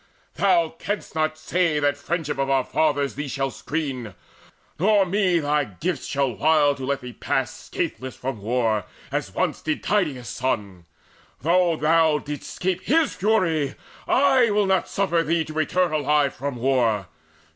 Thou canst not say That friendship of our fathers thee shall screen; Nor me thy gifts shall wile to let thee pass Scatheless from war, as once did Tydeus' son. Though thou didst 'scape his fury, will not I Suffer thee to return alive from war.